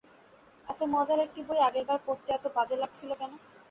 এত মজার একটি বই আগের বার পড়তে এত বাজে লাগছিল কেন?